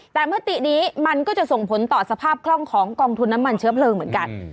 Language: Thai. แต่มตินี้มันก็จะส่งผลต่อสภาพคล่องของกองทุนน้ำมันเชื้อเพลิงเหมือนกัน